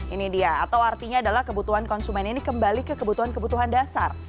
ini dia atau artinya adalah kebutuhan konsumen ini kembali ke kebutuhan kebutuhan dasar